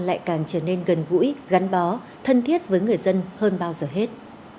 lại càng trở nên gần gũi gắn bó thân thiết với người dân hơn bao giờ hết